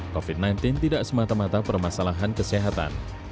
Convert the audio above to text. covid sembilan belas tidak semata mata permasalahan kesehatan